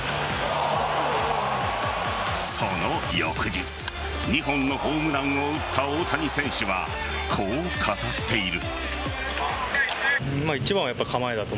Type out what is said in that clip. その翌日２本のホームランを打った大谷選手はこう語っている。